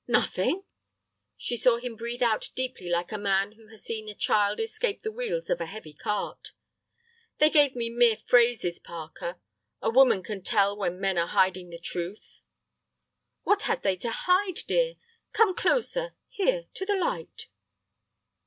"Nothing?" She saw him breathe out deeply like a man who has seen a child escape the wheels of a heavy cart. "They gave me mere phrases, Parker. A woman can tell when men are hiding the truth." "What had they to hide, dear? Come closer—here—to the light."